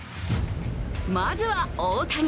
まずは、大谷。